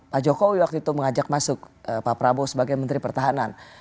pak jokowi waktu itu mengajak masuk pak prabowo sebagai menteri pertahanan